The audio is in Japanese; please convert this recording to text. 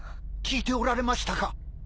聞いておられましたか？